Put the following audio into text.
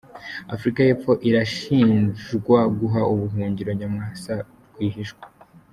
Afurika y’Epfo irashinjwa guha ubuhungiro Nyamwasa rwihishwa